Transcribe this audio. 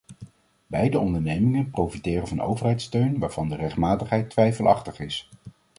Beide ondernemingen profiteren van overheidssteun waarvan de rechtmatigheid twijfelachtig is.